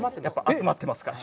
集まってますから。